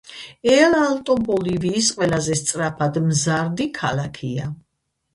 ელ–ალტო ბოლივიის ყველაზე სწრაფად მზარდი ქალაქია.